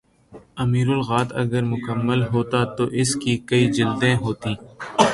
امیر اللغات اگر مکمل ہوتا تو اس کی کئی جلدیں ہوتیں